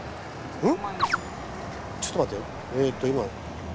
うん。